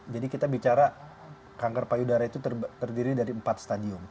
jadi kita bicara kanker payudara itu terdiri dari empat stadium